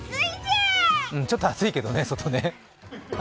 うん、ちょっと暑いけどね外ね。